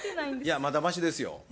いやまだマシですよ。